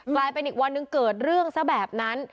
กลายเป็นอีกวันหนึ่งเกิดเรื่องซะแบบนั้น